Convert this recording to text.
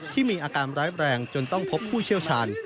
ที่มีอาการร้ายแรงจนต้องพบผู้เชี่ยวชาญ